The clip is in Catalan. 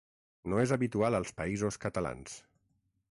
No és habitual als Països Catalans.